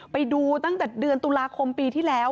ไปดูตั้งแต่เดือนตุลาคมปีที่แล้ว